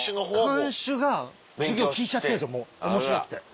看守が授業聞いちゃってるんですもう面白くて。